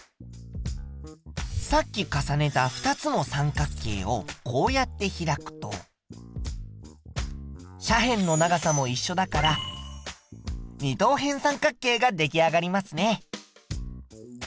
さっき重ねた２つの三角形をこうやって開くと斜辺の長さもいっしょだから二等辺三角形が出来上がりますね。